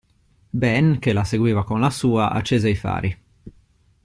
Ben, che la seguiva con la sua, accese i fari.